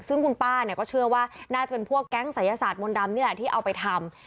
ซึ่งคุณป้าเนี่ยก็เชื่อว่าน่าจะเป็นพวกแก๊งศัยศาสตร์มนต์ดำนี่แหละที่เอาไปทำ